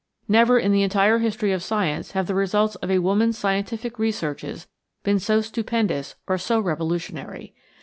Never in the entire history of science have the results of a woman's scientific researches been so stupendous or so revolutionary.